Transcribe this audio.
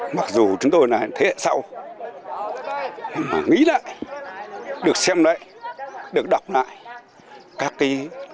mặc dù chúng tôi là thế hệ sau mà nghĩ lại được xem lại được đọc lại